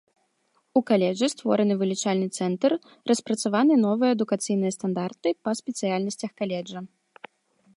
У каледжы створаны вылічальны цэнтр, распрацаваны новыя адукацыйныя стандарты па спецыяльнасцях каледжа.